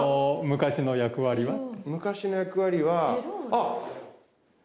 昔の役割はあっ！